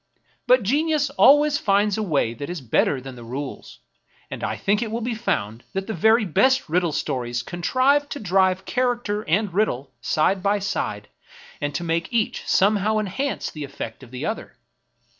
But genius always finds a way that is better than the rules, and I think it will be found that the very best riddle stories con trive to drive character and riddle side by side, and to make each somehow enhance the effect of the other.